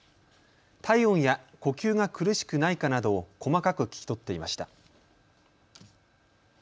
体温や呼吸が苦しくないかなどを細かく聞き取っていました。